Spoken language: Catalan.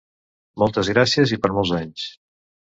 Moltes gràcies i per molts anys!